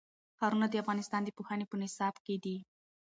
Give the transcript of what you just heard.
ښارونه د افغانستان د پوهنې په نصاب کې دي.